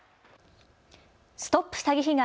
ＳＴＯＰ詐欺被害！